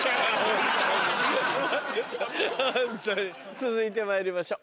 続いてまいりましょう。